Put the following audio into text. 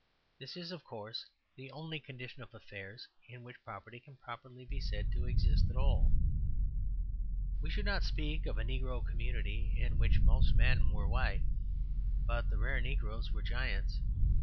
This is, of course, the only condition of affairs in which property can properly be said to exist at all. We should not speak of a negro community in which most men were white, but the rare negroes were giants.